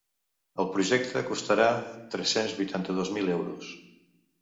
El projecte costarà tres-cents vuitanta-dos mil euros.